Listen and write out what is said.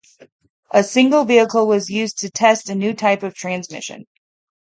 A single vehicle was used to test a new type of transmission.